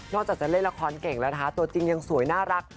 จากจะเล่นละครเก่งแล้วนะคะตัวจริงยังสวยน่ารัก